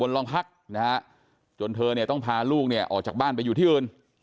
บนรองพักนะจนต้องพาลูกเนี่ยออกจากบ้านไปอยู่ที่อื่น